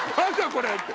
これ！って。